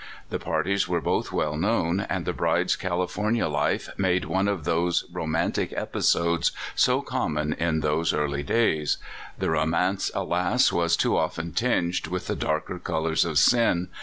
The par ties were both well known, and the bride's Califor nia life made one of those romantic episodes so common in those early days. The romance, alas! was too often tinged with the darker colors of sin.